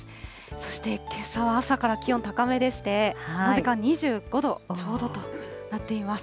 そしてけさは朝から気温、高めでして、この時間２５度ちょうどとなっています。